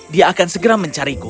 dia akan segera mencariku